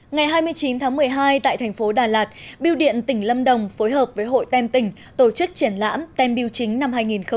ngày hai mươi chín tháng một mươi hai tại thành phố đà lạt biêu điện tỉnh lâm đồng phối hợp với hội tem tỉnh tổ chức triển lãm tem biêu chính năm hai nghìn một mươi chín